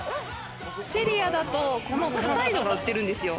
セリアだとこの硬いのが売ってるんですよ。